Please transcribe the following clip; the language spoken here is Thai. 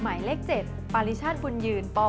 หมายเลขเธศด์ปาริชาติกุญยืนปปค่ะ